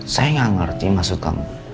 saya nggak ngerti maksud kamu